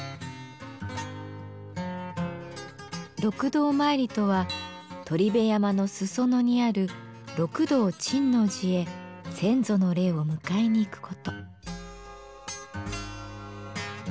六道まいりとは鳥辺山の裾野にある六道珍皇寺へ先祖の霊を迎えに行く事。